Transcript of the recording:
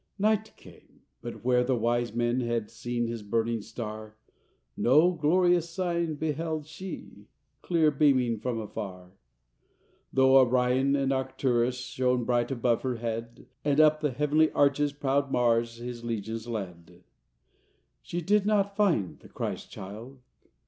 Night came—but where the Wise Men Had seen His burning star, No glorious sign beheld she Clear beaming from afar, Though Orion and Arcturus Shone bright above her head, And up the heavenly arches Proud Mars his legions led! She did not find the Christ child.